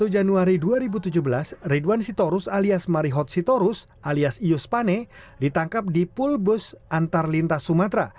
dua puluh januari dua ribu tujuh belas ridwan sitorus alias marihod sitorus alias ius pane ditangkap di pulbus antar lintas sumatera